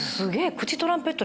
口トランペット